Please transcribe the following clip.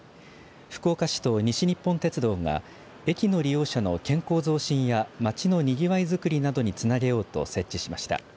福岡市と西日本鉄道が駅の利用者の健康増進や街のにぎわいづくりなどにつなげようと設置しました。